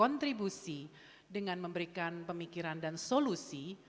kontribusi dengan memberikan pemikiran dan solusi